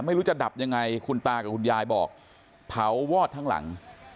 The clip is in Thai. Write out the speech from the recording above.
ไม่รู้จะดับยังไงคุณตากับคุณยายบอกเผาวอดทั้งหลัง